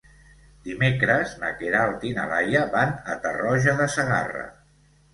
Dimecres na Queralt i na Laia van a Tarroja de Segarra.